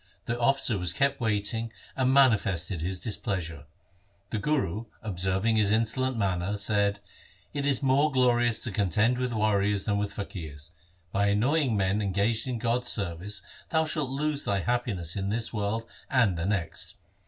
The officer was kept wait ing and manifested his displeasure. The Guru observing his insolent manner said, ' It is more glorious to contend with warriors than with faqirs. By annoying men engaged in God's service thou shalt lose thy happiness in this world and the next.'